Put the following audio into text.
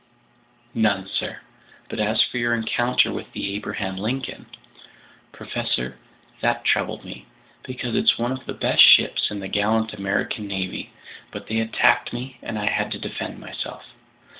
"None, sir. But as for your encounter with the Abraham Lincoln ...?" "Professor, that troubled me, because it's one of the best ships in the gallant American navy, but they attacked me and I had to defend myself!